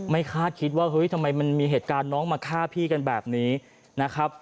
คาดคิดว่าเฮ้ยทำไมมันมีเหตุการณ์น้องมาฆ่าพี่กันแบบนี้นะครับ